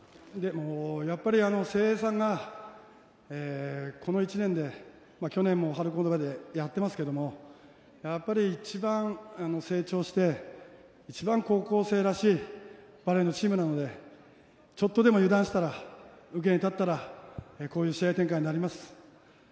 やっぱり誠英さんがこの１年で、去年も春高の中でやっていますけどやっぱり一番成長して一番高校生らしいバレーのチームなのでちょっとでも油断したらこういう試合展開になります。